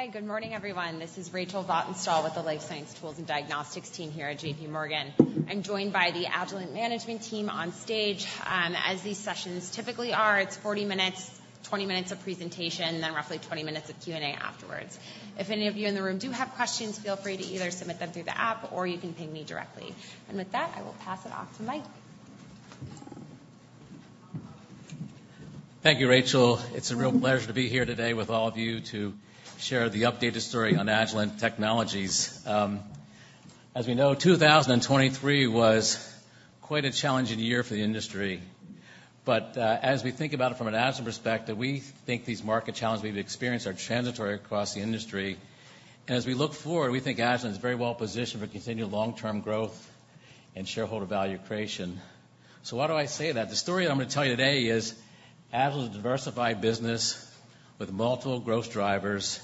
Hi, good morning, everyone. This is Rachel Vatnsdal with the Life Science Tools and Diagnostics team here at J.P. Morgan. I'm joined by the Agilent management team on stage. As these sessions typically are, it's 40 minutes: 20 minutes of presentation, and then roughly 20 minutes of Q&A afterwards. If any of you in the room do have questions, feel free to either submit them through the app or you can ping me directly. With that, I will pass it off to Mike. Thank you, Rachel. It's a real pleasure to be here today with all of you to share the updated story on Agilent Technologies. As we know, 2023 was quite a challenging year for the industry. But, as we think about it from an Agilent perspective, we think these market challenges we've experienced are transitory across the industry. And as we look forward, we think Agilent is very well positioned for continued long-term growth and shareholder value creation. So why do I say that? The story I'm going to tell you today is Agilent is a diversified business with multiple growth drivers,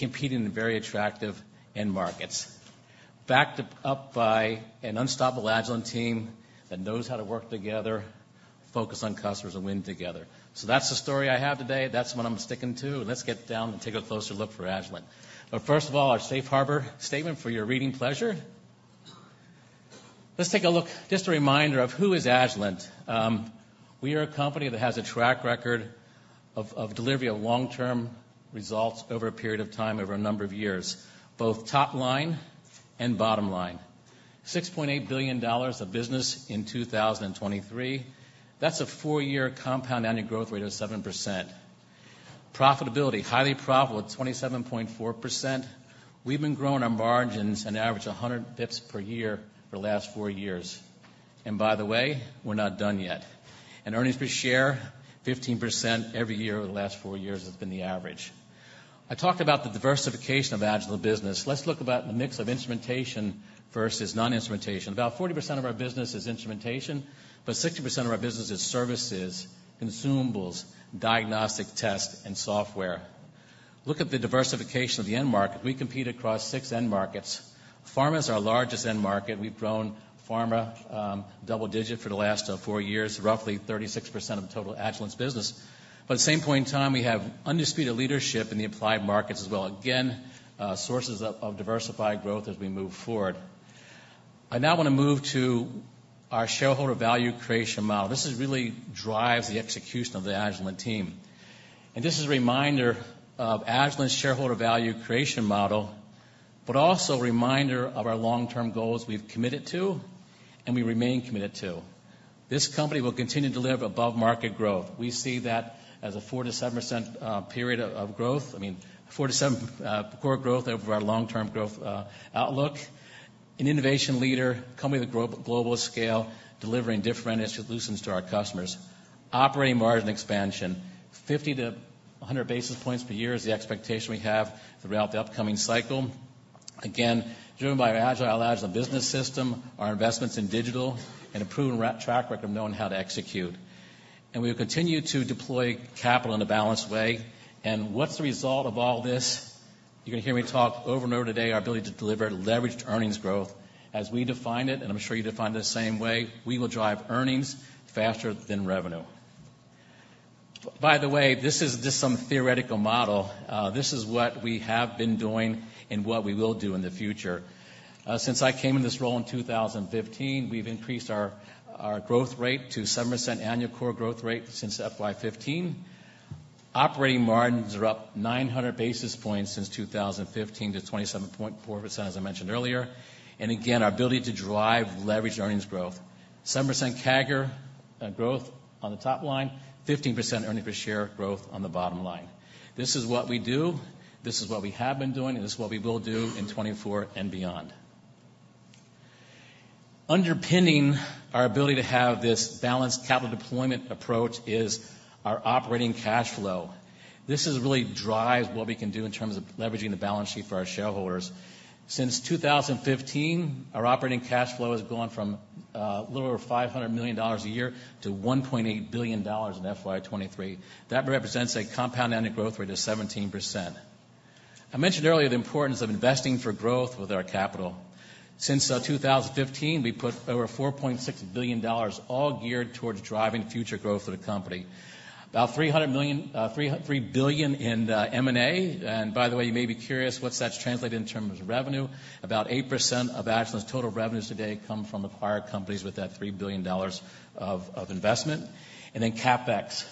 competing in very attractive end markets, backed up by an unstoppable Agilent team that knows how to work together, focus on customers, and win together. So that's the story I have today. That's what I'm sticking to, and let's get down and take a closer look for Agilent. But first of all, our safe harbor statement for your reading pleasure. Let's take a look, just a reminder of who is Agilent. We are a company that has a track record of delivery of long-term results over a period of time, over a number of years, both top line and bottom line. $6.8 billion of business in 2023. That's a four-year compound annual growth rate of 7%. Profitability, highly profitable at 27.4%. We've been growing our margins an average of 100 basis points per year for the last four years. And by the way, we're not done yet. And earnings per share, 15% every year over the last four years has been the average. I talked about the diversification of Agilent business. Let's look about the mix of instrumentation versus non-instrumentation. About 40% of our business is instrumentation, but 60% of our business is services, consumables, diagnostic tests, and software. Look at the diversification of the end market. We compete across six end markets. Pharma is our largest end market. We've grown pharma double digit for the last four years, roughly 36% of the total Agilent business. But at the same point in time, we have undisputed leadership in the applied markets as well. Again, sources of diversified growth as we move forward. I now want to move to our shareholder value creation model. This really drives the execution of the Agilent team. This is a reminder of Agilent's shareholder value creation model, but also a reminder of our long-term goals we've committed to and we remain committed to. This company will continue to deliver above-market growth. We see that as a 4% to 7% period of growth. I mean, 4 to 7 core growth over our long-term growth outlook. An innovation leader, company with a global scale, delivering differentiated solutions to our customers. Operating margin expansion, 50 to 100 basis points per year is the expectation we have throughout the upcoming cycle. Again, driven by our Agile Agilent Business System, our investments in digital, and a proven track record of knowing how to execute. We will continue to deploy capital in a balanced way. What's the result of all this? You're going to hear me talk over and over today, our ability to deliver leveraged earnings growth. As we define it, and I'm sure you define it the same way, we will drive earnings faster than revenue. By the way, this isn't just some theoretical model. This is what we have been doing and what we will do in the future. Since I came in this role in 2015, we've increased our growth rate to 7% annual core growth rate since FY 2015. Operating margins are up 900 basis points since 2015 to 27.4%, as I mentioned earlier. And again, our ability to drive leveraged earnings growth. 7% CAGR growth on the top line, 15% earnings per share growth on the bottom line. This is what we do, this is what we have been doing, and this is what we will do in 2024 and beyond. Underpinning our ability to have this balanced capital deployment approach is our operating cash flow. This really drives what we can do in terms of leveraging the balance sheet for our shareholders. Since 2015, our operating cash flow has gone from a little over $500 million a year to $1.8 billion in FY 2023. That represents a compound annual growth rate of 17%. I mentioned earlier the importance of investing for growth with our capital. Since 2015, we put over $4.6 billion all geared towards driving future growth for the company. About $3 billion in M&A. And by the way, you may be curious what's that translated in terms of revenue? About 8% of Agilent's total revenues today come from acquired companies with that $3 billion of investment. And then CapEx.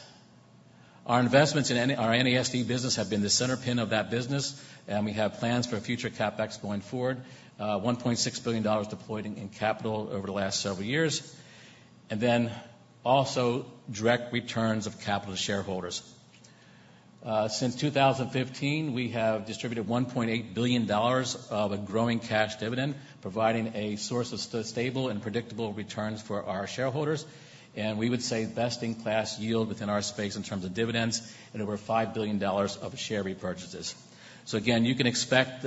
Our investments in our NASD business have been the center pin of that business, and we have plans for future CapEx going forward. $1.6 billion deployed in capital over the last several years, and then also direct returns of capital to shareholders. Since 2015, we have distributed $1.8 billion of a growing cash dividend, providing a source of stable and predictable returns for our shareholders, and we would say best-in-class yield within our space in terms of dividends and over $5 billion of share repurchases. So again, you can expect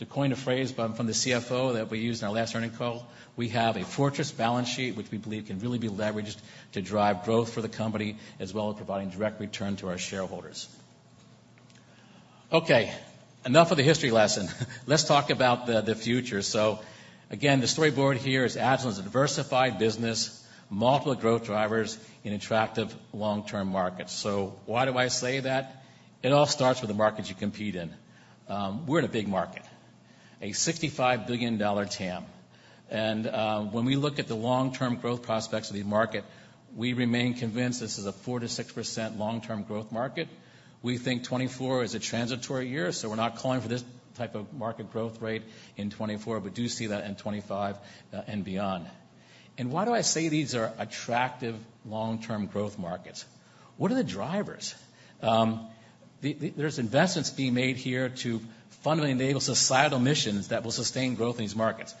to coin a phrase from the CFO that we used in our last earnings call, we have a fortress balance sheet, which we believe can really be leveraged to drive growth for the company, as well as providing direct return to our shareholders. Okay, enough of the history lesson. Let's talk about the future. Again, the storyboard here is Agilent's a diversified business, multiple growth drivers in attractive long-term markets. So why do I say that? It all starts with the markets you compete in. We're in a big market, a $65 billion TAM. And when we look at the long-term growth prospects of the market, we remain convinced this is a 4% to 6% long-term growth market. We think 2024 is a transitory year, so we're not calling for this type of market growth rate in 2024, but do see that in 2025, and beyond. And why do I say these are attractive long-term growth markets? What are the drivers? There's investments being made here to fundamentally enable societal missions that will sustain growth in these markets.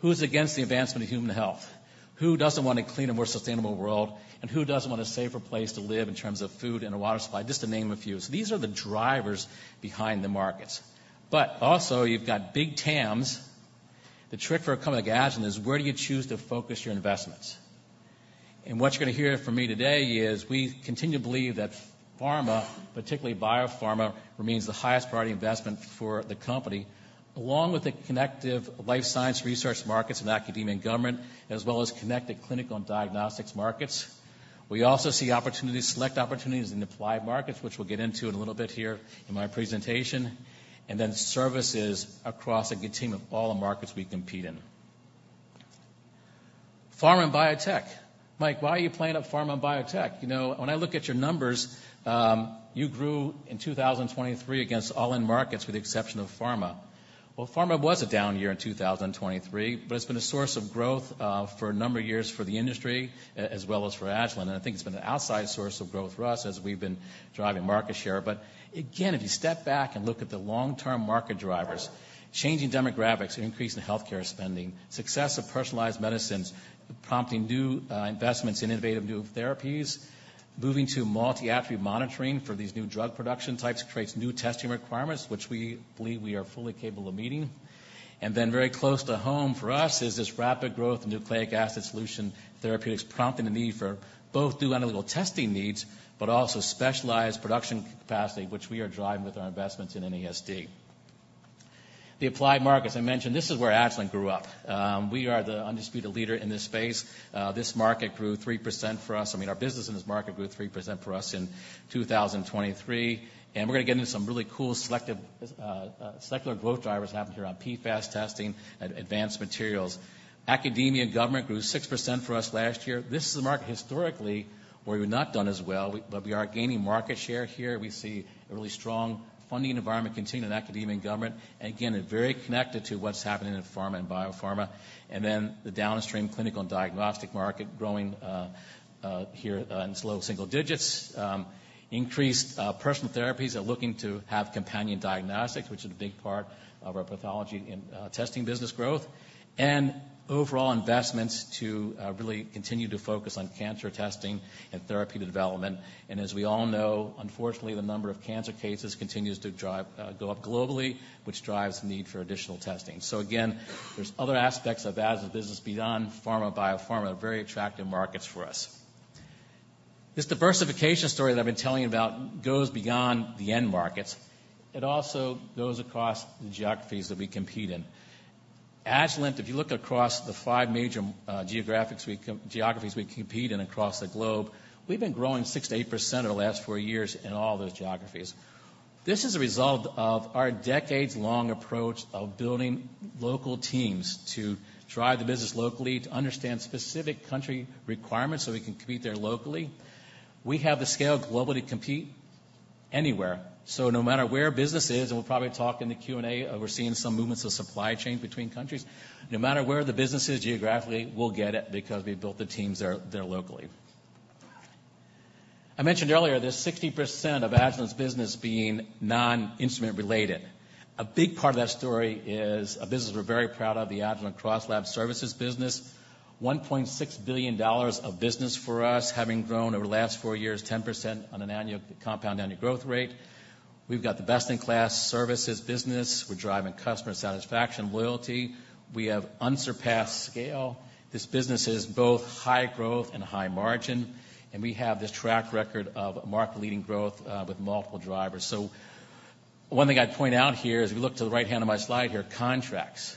Who's against the advancement of human health? Who doesn't want a clean and more sustainable world? And who doesn't want a safer place to live in terms of food and water supply, just to name a few. So these are the drivers behind the markets. But also, you've got big TAMs. The trick for a company like Agilent is: where do you choose to focus your investments? And what you're going to hear from me today is, we continue to believe that pharma, particularly biopharma, remains the highest priority investment for the company, along with the connective life science research markets in academia and government, as well as connected clinical and diagnostics markets. We also see opportunities, select opportunities in applied markets, which we'll get into in a little bit here in my presentation, and then services across a good team of all the markets we compete in. Pharma and biotech. Mike, why are you playing up pharma and biotech? You know, when I look at your numbers, you grew in 2023 against all end markets, with the exception of pharma. Well, pharma was a down year in 2023, but it's been a source of growth for a number of years for the industry as well as for Agilent. And I think it's been an outsized source of growth for us as we've been driving market share. But again, if you step back and look at the long-term market drivers, changing demographics are increasing healthcare spending. Success of personalized medicines prompting new investments in innovative new therapies. Moving to multi-attribute monitoring for these new drug production types creates new testing requirements, which we believe we are fully capable of meeting. And then very close to home for us is this rapid growth in nucleic acid solutions therapeutics, prompting the need for both new analytical testing needs, but also specialized production capacity, which we are driving with our investments in NASD. The applied markets I mentioned, this is where Agilent grew up. We are the undisputed leader in this space. This market grew 3% for us. I mean, our business in this market grew 3% for us in 2023, and we're gonna get into some really cool, selective, secular growth drivers happening around PFAS testing and advanced materials. Academia and government grew 6% for us last year. This is a market historically where we've not done as well, we, but we are gaining market share here. We see a really strong funding environment continuing in academia and government, and again, very connected to what's happening in pharma and biopharma. And then the downstream clinical and diagnostic market growing, here in slow single digits. Increased personal therapies are looking to have companion diagnostics, which is a big part of our pathology and testing business growth. And overall investments to really continue to focus on cancer testing and therapeutic development. And as we all know, unfortunately, the number of cancer cases continues to drive go up globally, which drives the need for additional testing. So again, there's other aspects of Ag's business beyond pharma, biopharma, very attractive markets for us. This diversification story that I've been telling you about goes beyond the end markets. It also goes across the geographies that we compete in. Agilent, if you look across the five major geographies we compete in across the globe, we've been growing 6% to 8% over the last 4 years in all those geographies. This is a result of our decades-long approach of building local teams to drive the business locally, to understand specific country requirements, so we can compete there locally. We have the scale globally to compete anywhere, so no matter where business is, and we'll probably talk in the Q&A, we're seeing some movements of supply chain between countries. No matter where the business is geographically, we'll get it because we've built the teams there, there locally. I mentioned earlier that 60% of Agilent's business being non-instrument related. A big part of that story is a business we're very proud of, the Agilent CrossLab Services business. $1.6 billion of business for us, having grown over the last four years, 10% compound annual growth rate. We've got the best-in-class services business. We're driving customer satisfaction and loyalty. We have unsurpassed scale. This business is both high growth and high margin, and we have this track record of market-leading growth, with multiple drivers. So one thing I'd point out here is, if you look to the right-hand of my slide here, contracts.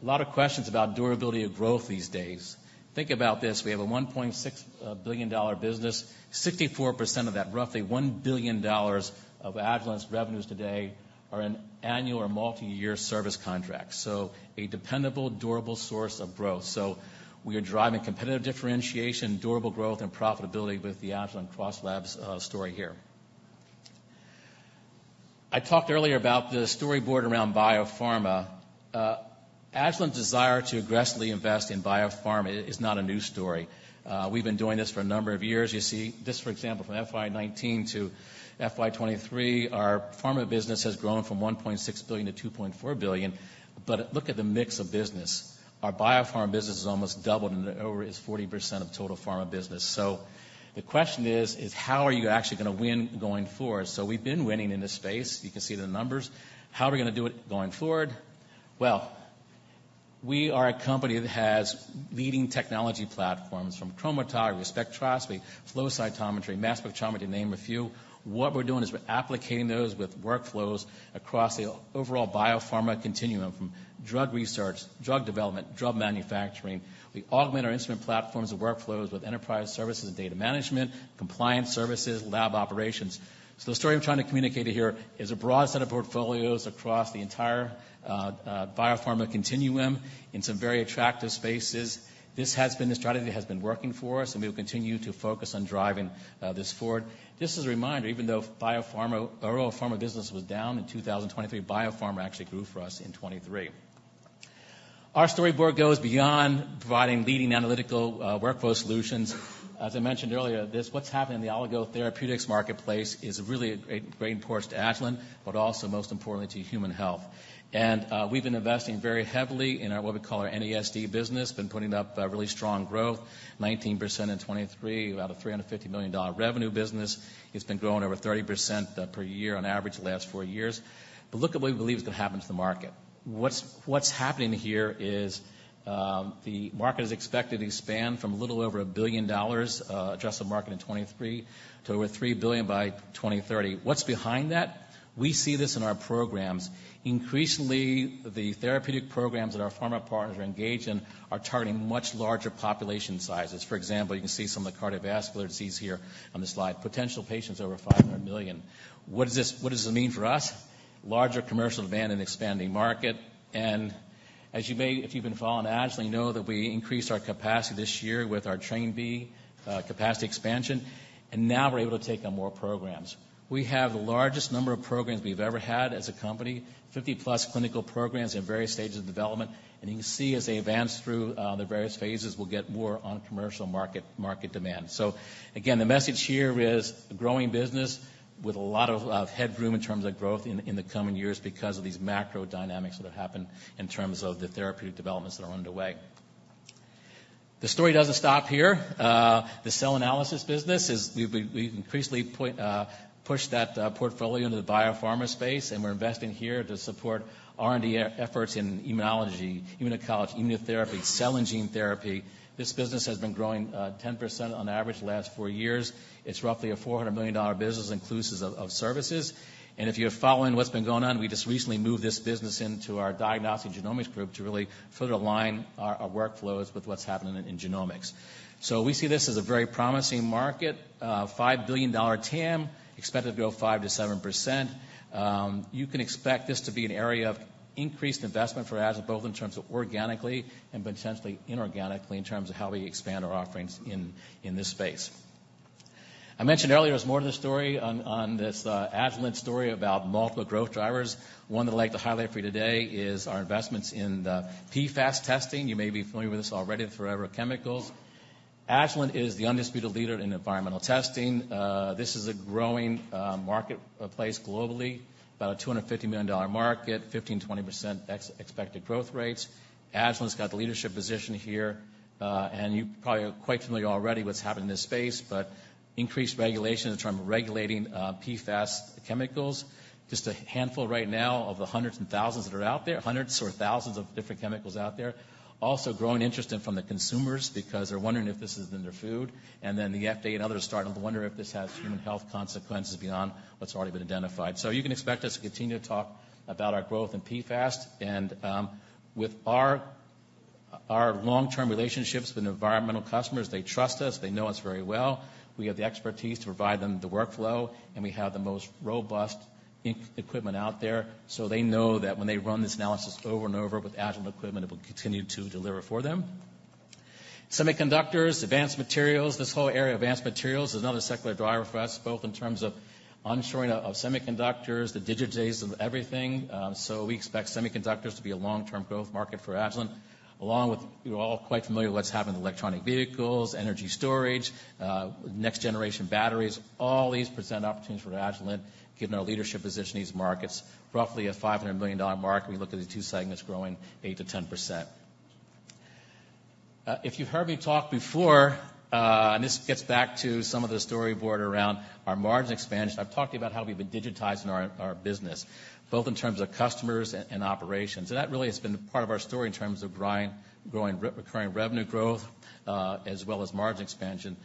A lot of questions about durability of growth these days. Think about this: we have a $1.6 billion business. 64% of that, roughly $1 billion of Agilent's revenues today, are in annual or multi-year service contracts, so a dependable, durable source of growth. So we are driving competitive differentiation, durable growth, and profitability with the Agilent CrossLab story here. I talked earlier about the storyboard around biopharma. Agilent's desire to aggressively invest in biopharma is not a new story. We've been doing this for a number of years. You see this, for example, from FY 2019 to FY 2023, our pharma business has grown from $1.6 billion to $2.4 billion, but look at the mix of business. Our biopharma business has almost doubled and is 40% of total pharma business. So the question is, how are you actually gonna win going forward? So we've been winning in this space. You can see the numbers. How are we gonna do it going forward? Well... We are a company that has leading technology platforms from chromatography, spectroscopy, flow cytometry, mass spectrometry, to name a few. What we're doing is we're applying those with workflows across the overall biopharma continuum, from drug research, drug development, drug manufacturing. We augment our instrument platforms and workflows with enterprise services and data management, compliance services, lab operations. So the story I'm trying to communicate to here is a broad set of portfolios across the entire biopharma continuum in some very attractive spaces. This has been the strategy that has been working for us, and we will continue to focus on driving this forward. Just as a reminder, even though biopharma, our overall pharma business was down in 2023, biopharma actually grew for us in 2023. Our storyboard goes beyond providing leading analytical workflow solutions. As I mentioned earlier, this, what's happening in the oligotherapeutics marketplace is really a great, great importance to Agilent, but also most importantly, to human health. And we've been investing very heavily in our, what we call our NASD business, been putting up a really strong growth, 19% in 2023, out of $350 million revenue business. It's been growing over 30% per year on average the last 4 years. But look at what we believe is going to happen to the market. What's happening here is, the market is expected to expand from a little over $1 billion, adjusted market in 2023, to over $3 billion by 2030. What's behind that? We see this in our programs. Increasingly, the therapeutic programs that our pharma partners are engaged in are targeting much larger population sizes. For example, you can see some of the cardiovascular disease here on the slide. Potential patients over 500 million. What does this-- what does this mean for us? Larger commercial demand and expanding market. And as you may... If you've been following Agilent, you know that we increased our capacity this year with our Train B capacity expansion, and now we're able to take on more programs. We have the largest number of programs we've ever had as a company, 50+ clinical programs in various stages of development. You can see as they advance through the various phases, we'll get more on commercial market, market demand. Again, the message here is a growing business with a lot of headroom in terms of growth in the coming years because of these macro dynamics that have happened in terms of the therapeutic developments that are underway. The story doesn't stop here. The cell analysis business is, we've increasingly pushed that portfolio into the biopharma space, and we're investing here to support R&D efforts in immunology, immuno-oncology, immunotherapy, cell and gene therapy. This business has been growing 10% on average the last four years. It's roughly a $400 million business, inclusive of services. If you're following what's been going on, we just recently moved this business into our Diagnostics and Genomics Group to really further align our workflows with what's happening in genomics. So we see this as a very promising market. $5 billion TAM, expected to grow 5% to 7%. You can expect this to be an area of increased investment for Agilent, both in terms of organically and potentially inorganically, in terms of how we expand our offerings in this space. I mentioned earlier, there's more to the story on this Agilent story about multiple growth drivers. One that I'd like to highlight for you today is our investments in the PFAS testing. You may be familiar with this already, the forever chemicals. Agilent is the undisputed leader in environmental testing. This is a growing marketplace globally, about a $250 million market, 15% to 20% expected growth rates. Agilent's got the leadership position here. And you probably are quite familiar already what's happening in this space, but increased regulation in terms of regulating PFAS chemicals. Just a handful right now of the hundreds and thousands that are out there, hundreds or thousands of different chemicals out there. Also growing interest in from the consumers because they're wondering if this is in their food, and then the FDA and others are starting to wonder if this has human health consequences beyond what's already been identified. So you can expect us to continue to talk about our growth in PFAS and, with our long-term relationships with environmental customers, they trust us, they know us very well. We have the expertise to provide them the workflow, and we have the most robust equipment out there. So they know that when they run this analysis over and over with Agilent equipment, it will continue to deliver for them. Semiconductors, advanced materials. This whole area of advanced materials is another secular driver for us, both in terms of onshoring of semiconductors, the digitization of everything. So we expect semiconductors to be a long-term growth market for Agilent, along with you're all quite familiar with what's happening in electric vehicles, energy storage, next-generation batteries. All these present opportunities for Agilent, given our leadership position in these markets, roughly a $500 million market. We look at the two segments growing 8% to 10%. If you've heard me talk before, and this gets back to some of the storyboard around our margin expansion. I've talked to you about how we've been digitizing our business, both in terms of customers and operations. And that really has been part of our story in terms of growing recurring revenue growth, as well as margin expansion.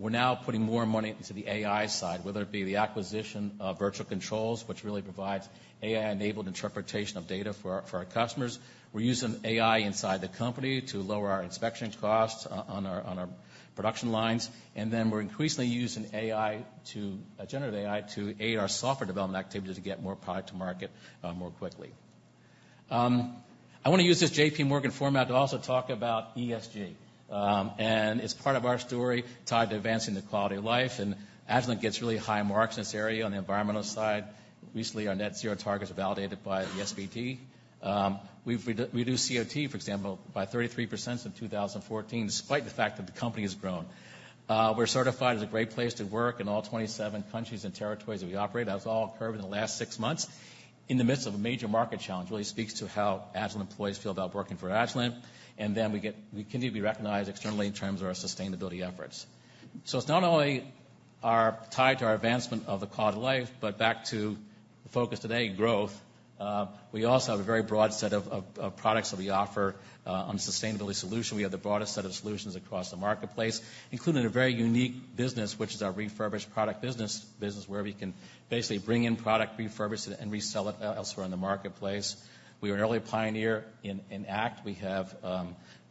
We're now putting more money into the AI side, whether it be the acquisition of Virtual Control, which really provides AI-enabled interpretation of data for our, for our customers. We're using AI inside the company to lower our inspection costs on our, on our production lines. And then we're increasingly using AI to generative AI, to aid our software development activity to get more product to market more quickly. I want to use this J.P. Morgan format to also talk about ESG, and it's part of our story tied to advancing the quality of life. And Agilent gets really high marks in this area on the environmental side. Recently, our net zero targets were validated by the SBTi. We've reduced CO2, for example, by 33% since 2014, despite the fact that the company has grown. We're certified as a great place to work in all 27 countries and territories that we operate. That's all occurred in the last 6 months, in the midst of a major market challenge. Really speaks to how Agilent employees feel about working for Agilent. We continue to be recognized externally in terms of our sustainability efforts. So it's not only tied to our advancement of the quality of life, but back to the focus today, growth. We also have a very broad set of products that we offer on sustainability solution. We have the broadest set of solutions across the marketplace, including a very unique business, which is our refurbished product business. Business where we can basically bring in product, refurbish it, and resell it elsewhere in the marketplace. We were an early pioneer in ACT. We have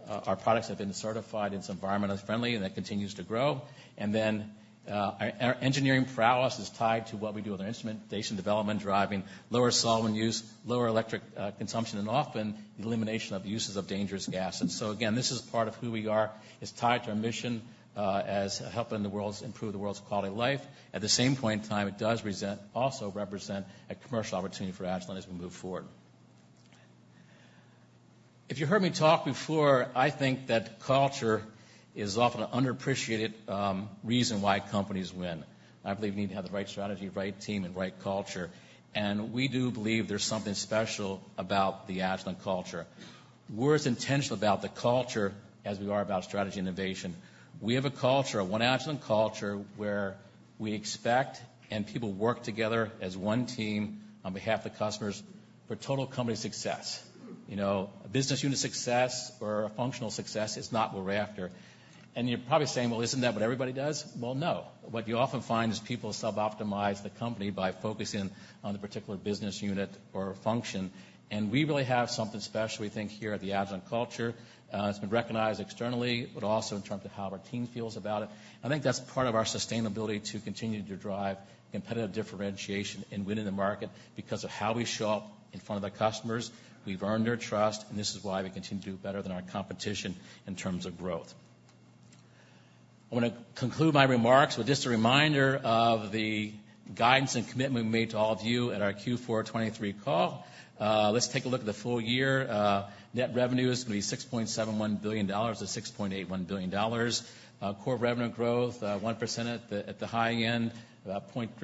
our products have been certified as environmentally friendly, and that continues to grow. And then our engineering prowess is tied to what we do with our instrumentation development, driving lower solvent use, lower electric consumption, and often the elimination of the uses of dangerous gases. So again, this is part of who we are. It's tied to our mission as helping the world improve the world's quality of life. At the same point in time, it does also represent a commercial opportunity for Agilent as we move forward. If you heard me talk before, I think that culture is often an underappreciated reason why companies win. I believe you need to have the right strategy, right team, and right culture, and we do believe there's something special about the Agilent culture. We're as intentional about the culture as we are about strategy and innovation. We have a culture, one Agilent culture, where we expect and people work together as one team on behalf of customers for total company success. You know, a business unit success or a functional success is not what we're after. And you're probably saying, "Well, isn't that what everybody does?" Well, no. What you often find is people suboptimize the company by focusing on the particular business unit or function, and we really have something special, we think, here at the Agilent culture. It's been recognized externally, but also in terms of how our team feels about it. I think that's part of our sustainability to continue to drive competitive differentiation and winning the market. Because of how we show up in front of the customers, we've earned their trust, and this is why we continue to do better than our competition in terms of growth. I want to conclude my remarks with just a reminder of the guidance and commitment we made to all of you at our Q4 2023 call. Let's take a look at the full year. Net revenue is going to be $6.71 billion to $6.81 billion. Core revenue growth 1% at the high end, 0.3%,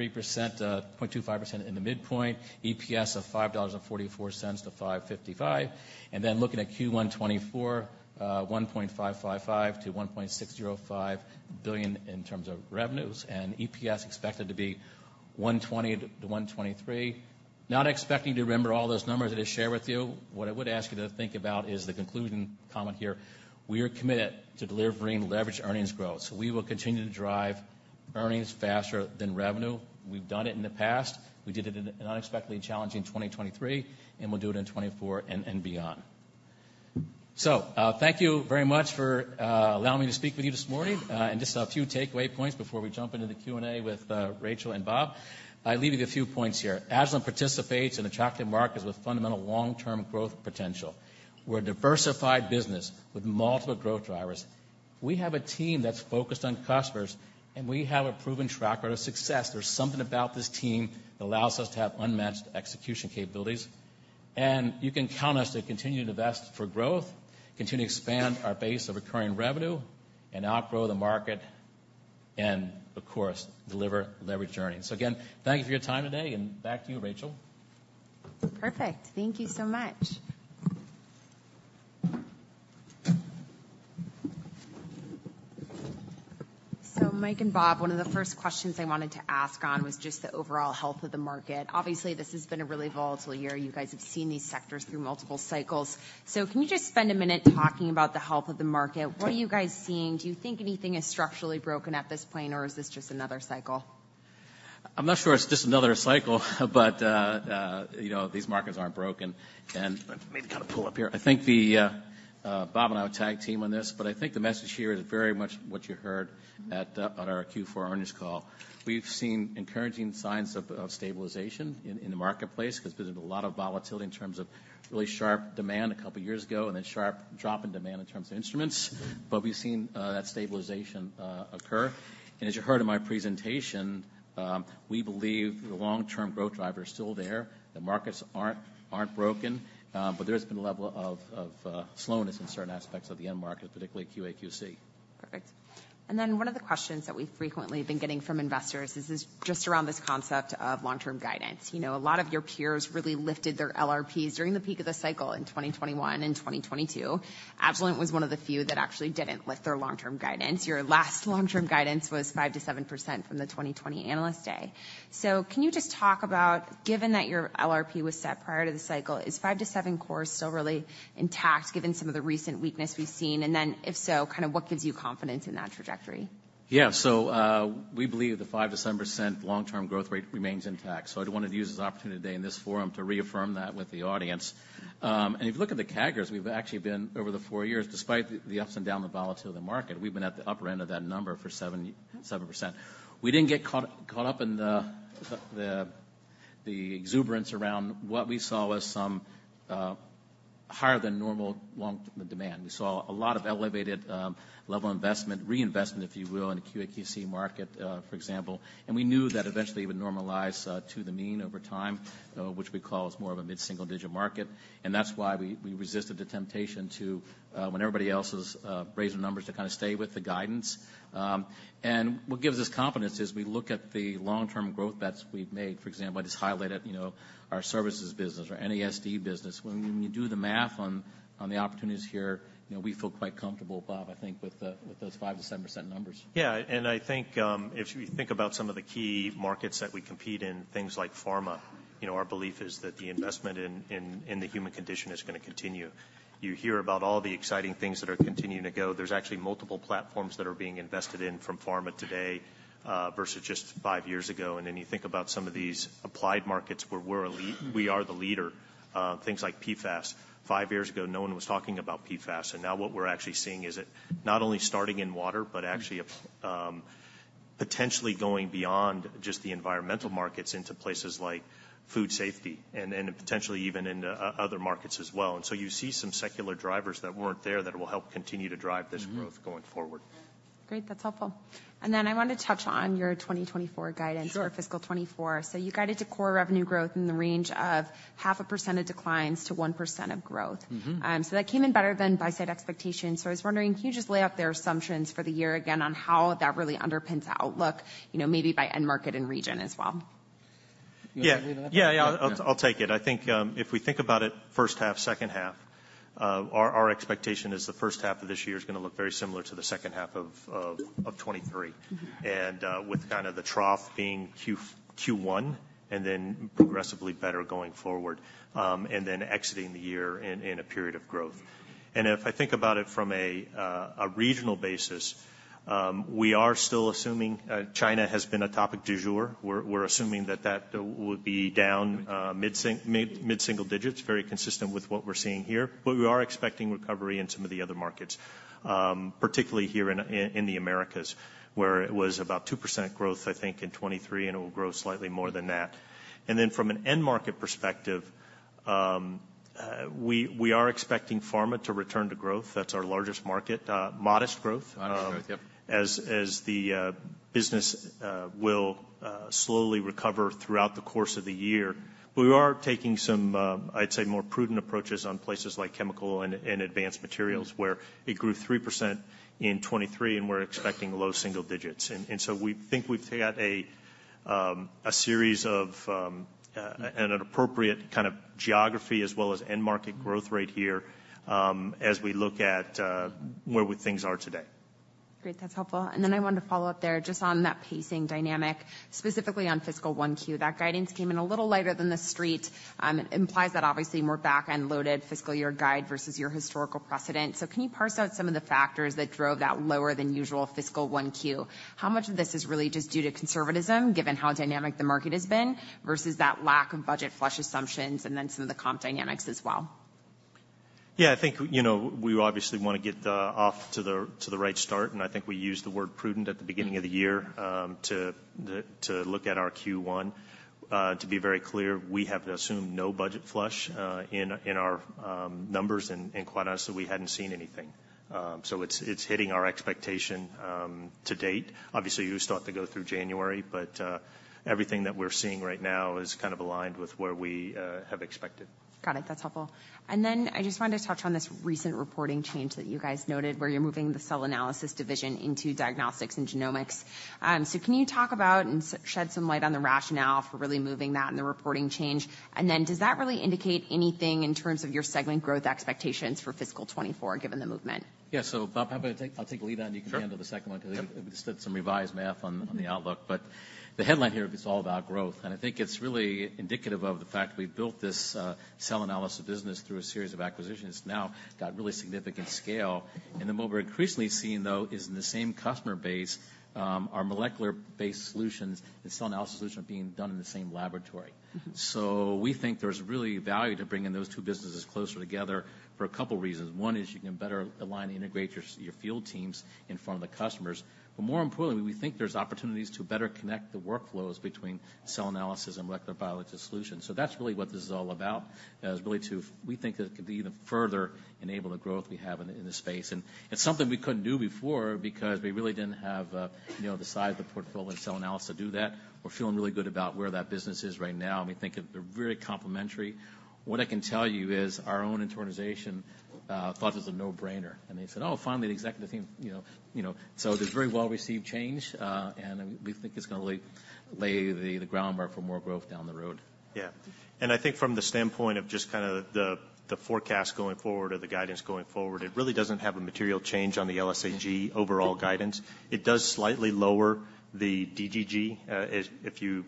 0.25% in the midpoint. EPS of $5.44-$5.55. Then looking at Q1 2024, $1.555 to $1.605 billion in terms of revenues, and EPS expected to be $1.20 to $1.23. Not expecting you to remember all those numbers that I shared with you. What I would ask you to think about is the concluding comment here. We are committed to delivering leveraged earnings growth, so we will continue to drive earnings faster than revenue. We've done it in the past. We did it in an unexpectedly challenging 2023, and we'll do it in 2024 and beyond. So, thank you very much for allowing me to speak with you this morning. And just a few takeaway points before we jump into the Q&A with Rachel and Bob. I leave you with a few points here. Agilent participates in attractive markets with fundamental long-term growth potential. We're a diversified business with multiple growth drivers. We have a team that's focused on customers, and we have a proven track record of success. There's something about this team that allows us to have unmatched execution capabilities, and you can count on us to continue to invest for growth, continue to expand our base of recurring revenue, and outgrow the market and, of course, deliver leveraged earnings. So again, thank you for your time today, and back to you, Rachel. Perfect. Thank you so much. So Mike and Bob, one of the first questions I wanted to ask on was just the overall health of the market. Obviously, this has been a really volatile year. You guys have seen these sectors through multiple cycles. So can you just spend a minute talking about the health of the market? What are you guys seeing? Do you think anything is structurally broken at this point, or is this just another cycle? I'm not sure it's just another cycle, but, you know, these markets aren't broken. Let me kind of pull up here. I think Bob and I will tag team on this, but I think the message here is very much what you heard on our Q4 earnings call. We've seen encouraging signs of stabilization in the marketplace, because there's been a lot of volatility in terms of really sharp demand a couple of years ago, and a sharp drop in demand in terms of instruments, but we've seen that stabilization occur. As you heard in my presentation, we believe the long-term growth driver is still there. The markets aren't broken, but there has been a level of slowness in certain aspects of the end market, particularly QA/QC. Perfect. And then one of the questions that we've frequently been getting from investors is, is just around this concept of long-term guidance. You know, a lot of your peers really lifted their LRPs during the peak of the cycle in 2021 and 2022. Agilent was one of the few that actually didn't lift their long-term guidance. Your last long-term guidance was 5% to 7% from the 2020 Analyst Day. So can you just talk about, given that your LRP was set prior to the cycle, is five to seven core still really intact, given some of the recent weakness we've seen? And then, if so, kind of what gives you confidence in that trajectory? Yeah. So, we believe the 5% to 7% long-term growth rate remains intact. So I wanted to use this opportunity today in this forum to reaffirm that with the audience. And if you look at the CAGRs, we've actually been over the four years, despite the ups and downs, the volatility of the market, we've been at the upper end of that number for 7%. We didn't get caught up in the exuberance around what we saw was some higher than normal long demand. We saw a lot of elevated level investment, reinvestment, if you will, in the QA/QC market, for example, and we knew that eventually it would normalize to the mean over time, which we call as more of a mid-single-digit market. That's why we resisted the temptation to, when everybody else is raising numbers, to kind of stay with the guidance. And what gives us confidence is we look at the long-term growth bets we've made. For example, I just highlighted, you know, our services business, our NASD business. When you do the math on the opportunities here, you know, we feel quite comfortable, Bob, I think with those 5% to 7% numbers. Yeah, and I think, if you think about some of the key markets that we compete in, things like pharma, you know, our belief is that the investment in the human condition is gonna continue. You hear about all the exciting things that are continuing to go. There's actually multiple platforms that are being invested in from pharma today, versus just five years ago. And then you think about some of these applied markets where we are the leader, things like PFAS. Five years ago, no one was talking about PFAS, and now what we're actually seeing is it not only starting in water but actually, potentially going beyond just the environmental markets into places like food safety and then potentially even into other markets as well. And so you see some secular drivers that weren't there that will help continue to drive this growth- Mm-hmm. -going forward. Great, that's helpful. I wanted to touch on your 2024 guidance- Sure. -for fiscal 2024. So you guided to core revenue growth in the range of 0.5% decline to 1% growth. Mm-hmm. That came in better than buy-side expectations. I was wondering, can you just lay out their assumptions for the year again on how that really underpins the outlook, you know, maybe by end market and region as well? You wanna take that? Yeah. Yeah, I'll take it. I think if we think about it, first half, second half, our expectation is the first half of this year is gonna look very similar to the second half of 2023. Mm-hmm. With kind of the trough being Q1 and then progressively better going forward, and then exiting the year in a period of growth. If I think about it from a regional basis, we are still assuming China has been a topic du jour. We're assuming that that would be down mid-single digits, very consistent with what we're seeing here. But we are expecting recovery in some of the other markets, particularly here in the Americas, where it was about 2% growth, I think, in 2023, and it will grow slightly more than that. And then from an end-market perspective, we are expecting pharma to return to growth. That's our largest market, modest growth- Modest growth, yep. ... as the business will slowly recover throughout the course of the year. But we are taking some, I'd say, more prudent approaches on places like chemical and advanced materials, where it grew 3% in 2023, and we're expecting low single digits. And so we think we've got a series of an appropriate kind of geography as well as end market growth rate here, as we look at where things are today. Great, that's helpful. And then I wanted to follow up there just on that pacing dynamic, specifically on fiscal 1Q. That guidance came in a little lighter than the street. It implies that obviously more back-end loaded fiscal year guide versus your historical precedent. So can you parse out some of the factors that drove that lower than usual fiscal 1Q? How much of this is really just due to conservatism, given how dynamic the market has been, versus that lack of budget flush assumptions and then some of the comp dynamics as well? Yeah, I think, you know, we obviously want to get off to the right start, and I think we used the word prudent at the beginning of the year- Mm-hmm... to look at our Q1. To be very clear, we have assumed no budget flush in our numbers, and quite honestly, we hadn't seen anything. So it's hitting our expectation to date. Obviously, you start to go through January, but everything that we're seeing right now is kind of aligned with where we have expected. Got it. That's helpful. And then I just wanted to touch on this recent reporting change that you guys noted, where you're moving the cell analysis division into diagnostics and genomics. So can you talk about and shed some light on the rationale for really moving that and the reporting change? And then does that really indicate anything in terms of your segment growth expectations for fiscal 2024, given the movement? Yeah. So Bob, how about I take... I'll take the lead on, and you- Sure... can handle the second one- Yep 'cause it's got some revised math on- Mm-hmm On the outlook. But the headline here, it's all about growth, and I think it's really indicative of the fact we've built this cell analysis business through a series of acquisitions, now got really significant scale. And then what we're increasingly seeing, though, is in the same customer base, our molecular-based solutions and cell analysis solutions are being done in the same laboratory. Mm-hmm. So we think there's really value to bringing those two businesses closer together for a couple reasons. One is you can better align and integrate your field teams in front of the customers. But more importantly, we think there's opportunities to better connect the workflows between cell analysis and molecular biology solutions. So that's really what this is all about, is really to. We think that it could even further enable the growth we have in the space. And it's something we couldn't do before because we really didn't have, you know, the size of the portfolio and cell analysis to do that. We're feeling really good about where that business is right now, and we think it, they're very complementary. What I can tell you is our own internalization thought it was a no-brainer, and they said, "Oh, finally, the executive team," you know, you know. So it's a very well-received change, and we think it's gonna lay the groundwork for more growth down the road. Yeah. I think from the standpoint of just kind of the forecast going forward or the guidance going forward, it really doesn't have a material change on the LSAG overall guidance. It does slightly lower the DGG, if you,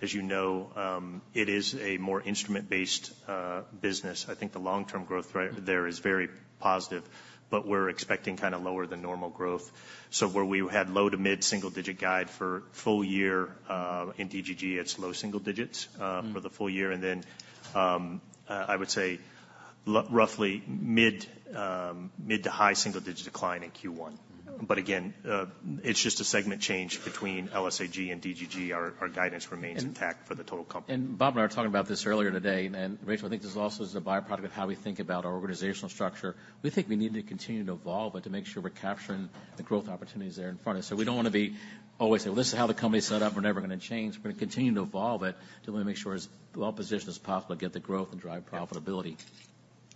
as you know, it is a more instrument-based business. I think the long-term growth rate there is very positive, but we're expecting kind of lower than normal growth. So where we had low to mid-single-digit guide for full year, in DGG, it's low single digits, Mm-hmm... for the full year, and then, I would say roughly mid to high single digits decline in Q1. But again, it's just a segment change between LSAG and DGG. Our guidance remains intact for the total company. Bob and I were talking about this earlier today, and Rachel, I think this also is a byproduct of how we think about our organizational structure. We think we need to continue to evolve it, to make sure we're capturing the growth opportunities there in front of us. We don't wanna be always, "Well, this is how the company is set up. We're never gonna change." We're gonna continue to evolve it to wanna make sure as well positioned as possible to get the growth and drive profitability.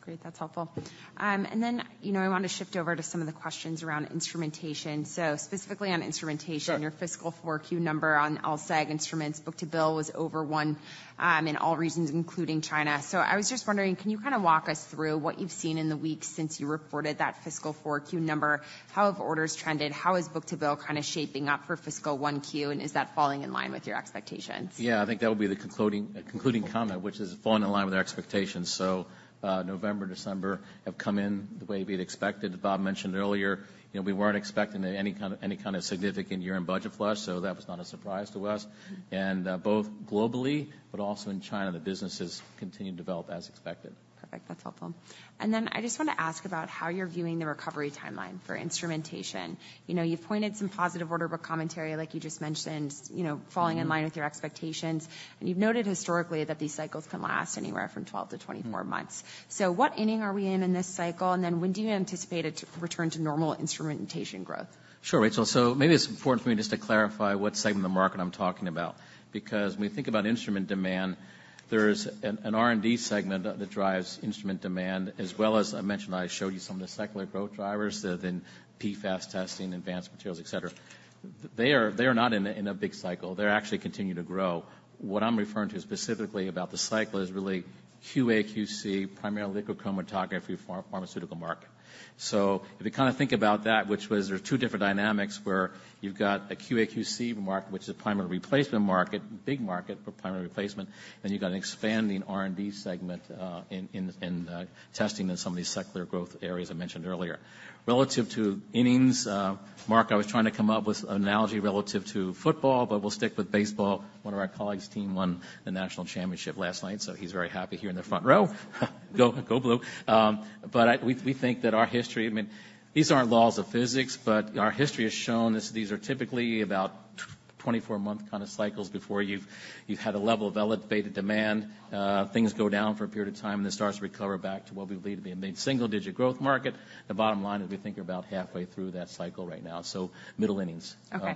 Great, that's helpful. And then, you know, I want to shift over to some of the questions around instrumentation. So specifically on instrumentation... Sure. Your fiscal four Q number on all seg instruments, Book to Bill was over one in all regions, including China. So I was just wondering, can you kinda walk us through what you've seen in the weeks since you reported that fiscal four Q number? How have orders trended? How is Book to Bill kinda shaping up for fiscal one Q, and is that falling in line with your expectations? Yeah, I think that would be the concluding comment, which is falling in line with our expectations. So, November, December have come in the way we'd expected. Bob mentioned earlier, you know, we weren't expecting any kind of significant year-end budget flush, so that was not a surprise to us. Mm-hmm. Both globally, but also in China, the business has continued to develop as expected. Perfect, that's helpful. And then I just wanna ask about how you're viewing the recovery timeline for instrumentation. You know, you've pointed some positive order book commentary, like you just mentioned, you know- Mm-hmm... falling in line with your expectations, and you've noted historically that these cycles can last anywhere from 12-24 months. Mm-hmm. What inning are we in in this cycle? When do you anticipate it to return to normal instrumentation growth? Sure, Rachel. So maybe it's important for me just to clarify what segment of the market I'm talking about. Because when we think about instrument demand, there's an R&D segment that drives instrument demand as well as I mentioned, I showed you some of the secular growth drivers, the PFAS testing, advanced materials, et cetera. They are not in a big cycle. They're actually continuing to grow. What I'm referring to specifically about the cycle is really QA/QC, primarily liquid chromatography pharmaceutical market. So if you kinda think about that, which was there are two different dynamics, where you've got a QA/QC market, which is a primary replacement market, big market, but primary replacement, then you've got an expanding R&D segment, in testing in some of these secular growth areas I mentioned earlier. Relative to innings, Mark, I was trying to come up with an analogy relative to football, but we'll stick with baseball. One of our colleague's team won the national championship last night, so he's very happy here in the front row. Go, go Blue. But we think that our history... I mean, these aren't laws of physics, but our history has shown us these are typically about 24-month kinda cycles before you've had a level of elevated demand. Things go down for a period of time, and then starts to recover back to what we believe to be a mid-single-digit growth market. The bottom line is, we think we're about halfway through that cycle right now, so middle innings. Okay.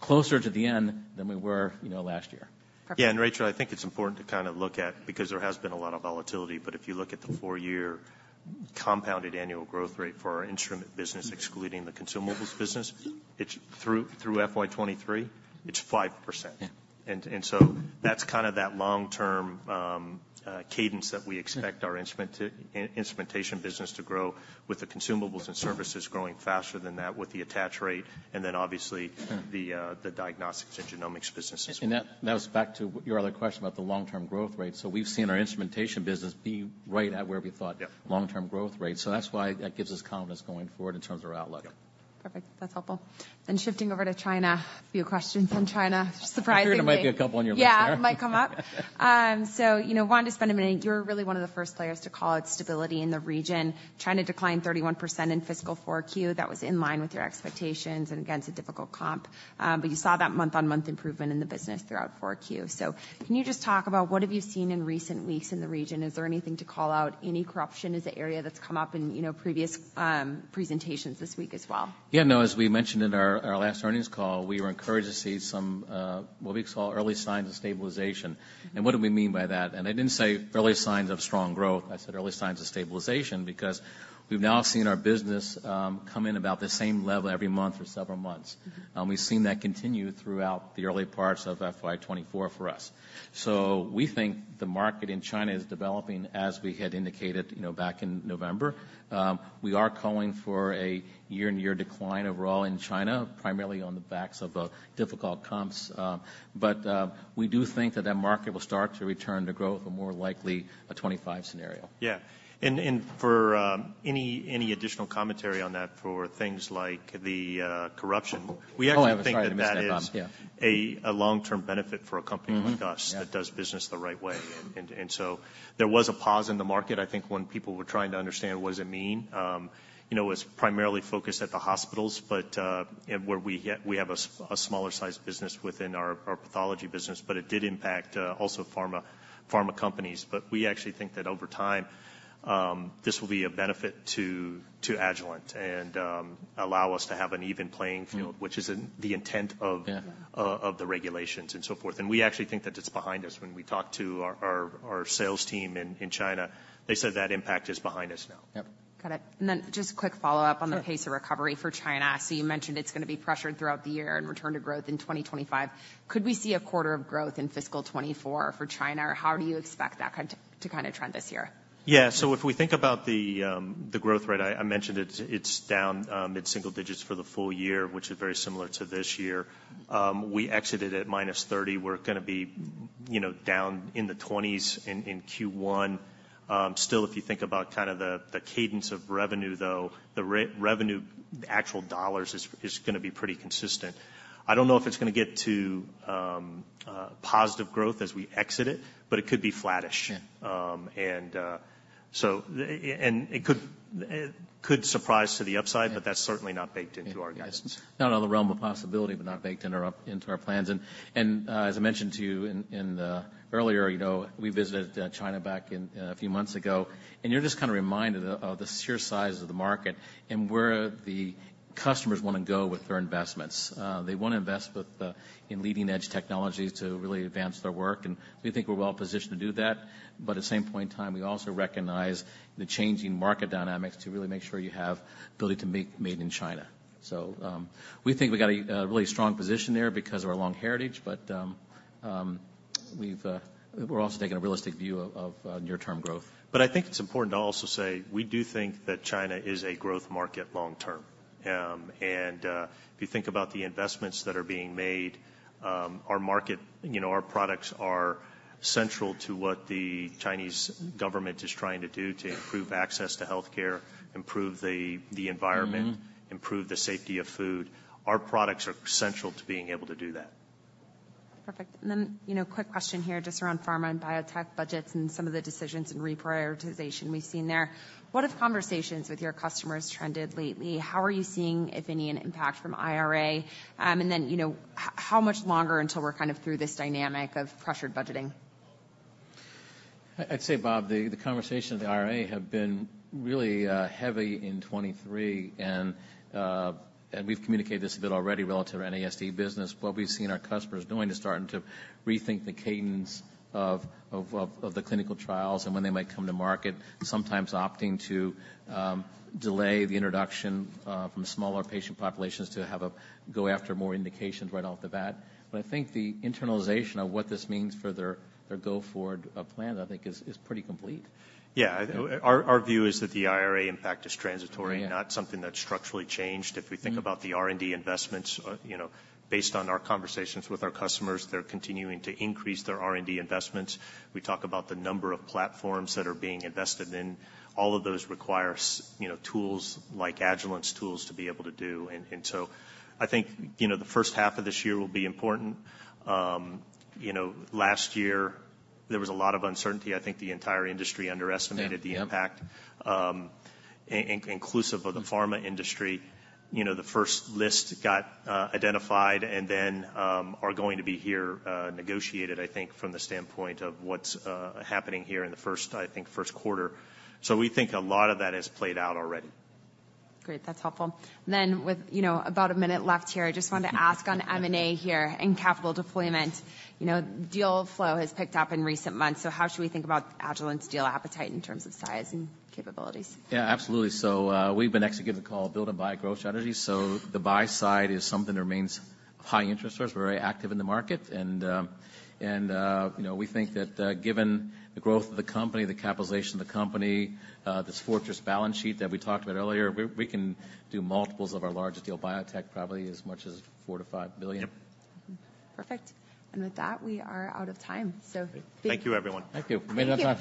Closer to the end than we were, you know, last year. Perfect. Yeah, Rachel, I think it's important to kind of look at, because there has been a lot of volatility, but if you look at the four-year compounded annual growth rate for our instrument business, excluding the consumables business, it's through FY 2023, it's 5%. Yeah. So that's kind of that long-term cadence that we- Yeah... expect our instrumentation business to grow with the consumables and services growing faster than that with the attach rate, and then obviously- Mm... the, the Diagnostics and Genomics businesses. That was back to your other question about the long-term growth rate. So we've seen our instrumentation business be right at where we thought- Yeah... long-term growth rate. So that's why that gives us confidence going forward in terms of our outlook. Yeah. Perfect. That's helpful. Shifting over to China, a few questions on China, surprisingly. I heard there might be a couple on your list there. Yeah, it might come up. So you know, wanted to spend a minute. You're really one of the first players to call out stability in the region. China declined 31% in fiscal 4Q. That was in line with your expectations and, again, it's a difficult comp. But you saw that month-on-month improvement in the business throughout 4Q. So can you just talk about what have you seen in recent weeks in the region? Is there anything to call out? Any corruption is an area that's come up in, you know, previous presentations this week as well. Yeah, no, as we mentioned in our last earnings call, we were encouraged to see some, what we call, early signs of stabilization. Mm-hmm. What do we mean by that? I didn't say early signs of strong growth. I said early signs of stabilization because we've now seen our business come in about the same level every month for several months. Mm-hmm. We've seen that continue throughout the early parts of FY 2024 for us. So we think the market in China is developing as we had indicated, you know, back in November. We are calling for a year-on-year decline overall in China, primarily on the backs of difficult comps. But we do think that that market will start to return to growth and more likely a 2025 scenario. Yeah, and for any additional commentary on that, for things like the corruption. Oh, I'm sorry. We actually think that that is- Yeah... a long-term benefit for a company like us- Mm-hmm, yeah... that does business the right way. Mm-hmm. So there was a pause in the market, I think, when people were trying to understand what does it mean. You know, it was primarily focused at the hospitals, but where we have a smaller-sized business within our pathology business, but it did impact also pharma companies. But we actually think that over time, this will be a benefit to Agilent and allow us to have an even playing field- Mm... which is in the intent of- Yeah... of the regulations and so forth. We actually think that it's behind us. When we talked to our sales team in China, they said that impact is behind us now. Yep. Got it. And then just a quick follow-up on the- Sure... pace of recovery for China. So you mentioned it's gonna be pressured throughout the year and return to growth in 2025. Could we see a quarter of growth in fiscal 2024 for China, or how do you expect that kind to kinda trend this year? Yeah, so if we think about the growth rate, I mentioned it's down mid-single digits for the full year, which is very similar to this year. We exited at -30%. We're gonna be, you know, down in the 20s in Q1. Still, if you think about kind of the cadence of revenue, though, the revenue, the actual dollars is gonna be pretty consistent. I don't know if it's gonna get to positive growth as we exit it, but it could be flattish. Sure. And it could surprise to the upside. Yeah. But that's certainly not baked into our guidance. Not on the realm of possibility, but not baked into our plans. As I mentioned to you earlier, you know, we visited China back in a few months ago, and you're just kind of reminded of the sheer size of the market and where the customers wanna go with their investments. They wanna invest in leading-edge technologies to really advance their work, and we think we're well positioned to do that. But at the same point in time, we also recognize the changing market dynamics to really make sure you have the ability to make made in China. We think we got a really strong position there because of our long heritage, but we've... We're also taking a realistic view of near-term growth. But I think it's important to also say, we do think that China is a growth market long term. If you think about the investments that are being made, our market, you know, our products are central to what the Chinese government is trying to do to improve access to healthcare, improve the, the environment- Mm-hmm. Improve the safety of food. Our products are central to being able to do that. Perfect. And then, you know, quick question here, just around pharma and biotech budgets and some of the decisions and reprioritization we've seen there. What have conversations with your customers trended lately? How are you seeing, if any, an impact from IRA? And then, you know, how much longer until we're kind of through this dynamic of pressured budgeting? I'd say, Bob, the conversation of the IRA have been really heavy in 2023, and we've communicated this a bit already relative to NASD business. What we've seen our customers doing is starting to rethink the cadence of the clinical trials and when they might come to market, sometimes opting to delay the introduction from smaller patient populations to have a go after more indications right off the bat. But I think the internalization of what this means for their go-forward plan, I think is pretty complete. Yeah. Yeah. Our view is that the IRA impact is transitory- Yeah. Not something that's structurally changed. Mm-hmm. If we think about the R&D investments, you know, based on our conversations with our customers, they're continuing to increase their R&D investments. We talk about the number of platforms that are being invested in. All of those require, you know, tools, like Agilent's tools, to be able to do. And so I think, you know, the first half of this year will be important. You know, last year there was a lot of uncertainty. I think the entire industry underestimated- Yeah, yeah. The impact, inclusive of the pharma industry. You know, the first list got identified and then are going to be here negotiated, I think, from the standpoint of what's happening here in the first, I think, first quarter. So we think a lot of that has played out already. Great. That's helpful. Then, with, you know, about a minute left here, I just wanted to ask on M&A here and capital deployment. You know, deal flow has picked up in recent months, so how should we think about Agilent's deal appetite in terms of size and capabilities? Yeah, absolutely. So, we've been executing the call build-and-buy growth strategy. So the buy side is something that remains high interest for us. We're very active in the market, and, you know, we think that, given the growth of the company, the capitalization of the company, this fortress balance sheet that we talked about earlier, we can do multiples of our largest deal, biotech, probably as much as $4 to $5 billion. Yep. Perfect. And with that, we are out of time. So thank- Thank you, everyone. Thank you. Thank you. We made it on time.